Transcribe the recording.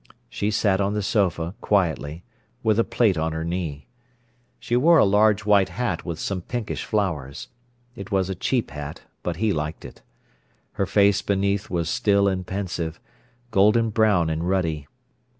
She sat on the sofa, quietly, with a plate on her knee. She wore a large white hat with some pinkish flowers. It was a cheap hat, but he liked it. Her face beneath was still and pensive, golden brown and ruddy.